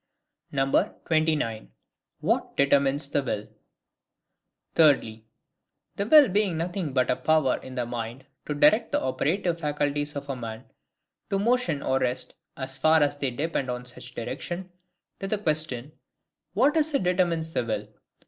29. What determines the Will. Thirdly, the will being nothing but a power in the mind to direct the operative faculties of a man to motion or rest as far as they depend on such direction; to the question, What is it determines the will?